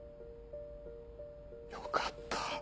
よかった。